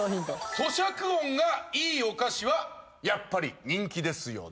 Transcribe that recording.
咀嚼音がいいお菓子はやっぱり人気ですよね